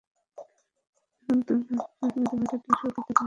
এখনো দুজন দুর্দান্ত খেলছেন, কিন্তু ভাটার টান শুরু হতে খুব দেরি নেই।